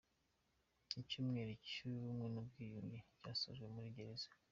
Icyumweru cy’ubumwe n’ubwiyunge cyasorejwe muri Gereza